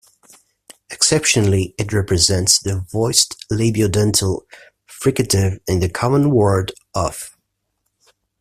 Exceptionally, it represents the voiced labiodental fricative in the common word "of".